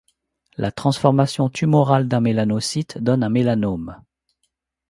La transformation tumorale d'un mélanocyte donne un mélanome.